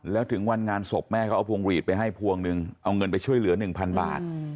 แล้วถึงวันงานศพแม่เขาเอาพวงหลีดไปให้พวงหนึ่งเอาเงินไปช่วยเหลือ๑๐๐บาท